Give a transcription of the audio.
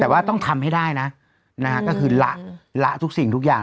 แต่ว่าต้องทำให้ได้นะก็คือละละทุกสิ่งทุกอย่าง